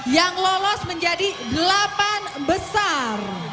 yang lolos menjadi delapan besar